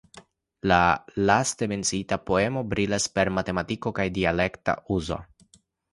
La laste menciita poemo brilas per matematikeco kaj dialekta uzo.